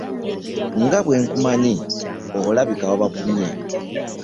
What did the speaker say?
Nga bwe nkumanyi olabika wabavumye.